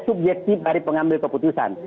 subjektif dari pengambil keputusan